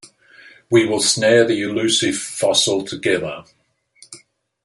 We will snare the elusive fossil together.